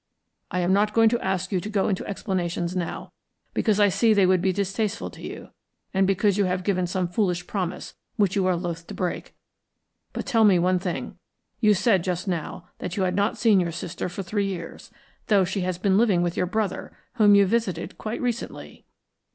I am not going to ask you to go into explanations now, because I see they would be distasteful to you, and because you have given some foolish promise which you are loth to break. But tell me one thing. You said just now that you had not seen your sister for three years, though she has been living with your brother, whom you visited quite recently."